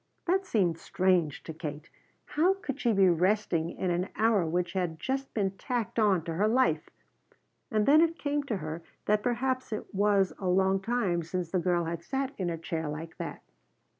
That seemed strange to Kate. How could she be resting in an hour which had just been tacked on to her life? And then it came to her that perhaps it was a long time since the girl had sat in a chair like that.